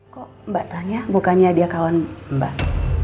kok mbak tanya bukannya dia kawan mbak